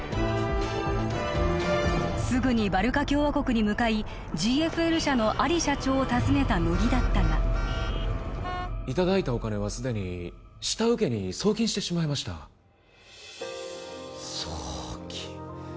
すぐにバルカ共和国に向かいＧＦＬ社のアリ社長を訪ねた乃木だったがいただいたお金はすでに下請けに送金してしまいました送金